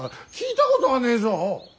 聞いたことがねえぞ。